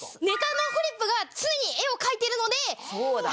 ネタのフリップが常に絵を描いているので。